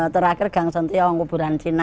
terakhir gang sentiong kuburan cina